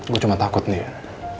gue cuma takut din